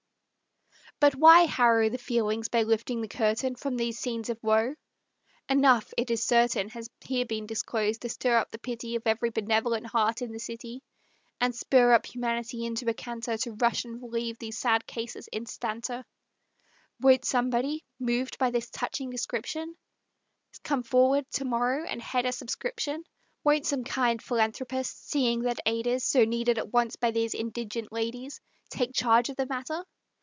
But why harrow the feelings by lifting the curtain From these scenes of woe? Enough, it is certain, Has here been disclosed to stir up the pity Of every benevolent heart in the city, And spur up humanity into a canter To rush and relieve these sad cases instanter. Won't somebody, moved by this touching description, Come forward to morrow and head a subscription? Won't some kind philanthropist, seeing that aid is So needed at once by these indigent ladies, Take charge of the matter?